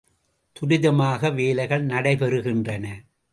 துரிதமாக வேலைகள் நடைபெறுகின்றன.